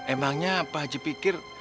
emangnya pak haji pikir